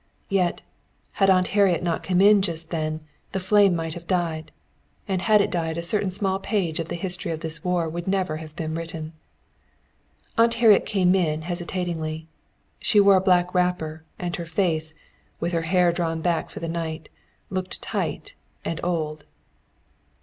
Yet, had Aunt Harriet not come in just then, the flame might have died. And had it died a certain small page of the history of this war would never have been written. Aunt Harriet came in hesitatingly. She wore a black wrapper, and her face, with her hair drawn back for the night, looked tight and old.